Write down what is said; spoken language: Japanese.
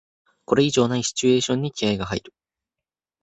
これ以上ないシチュエーションに気合いが入る